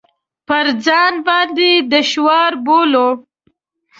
پر ځان باندې دشوار بولو.